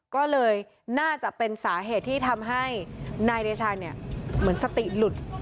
ก็เลยน่าจะเป็นสาเหตุที่ทำให้นายเดชาเนี่ยเหมือนสติหลุด